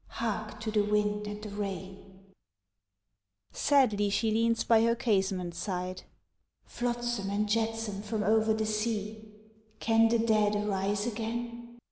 (Hark to the wind and the rain.) Sadly she leans by her casement side (_Flotsam and jetsam from over the sea, Can the dead arise again?